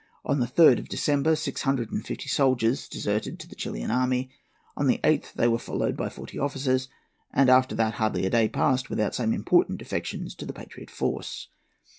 On the 3rd of December, six hundred and fifty soldiers deserted to the Chilian army. On the 8th they were followed by forty officers; and after that hardly a day passed without some important defections to the patriot force.'